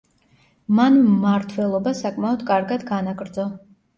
მან მმართველობა საკმაოდ კარგად განაგრძო.